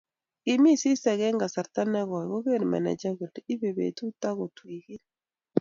kimi sisek eng kasarta nekooi kogeer meneja kole ibei betut akot wikit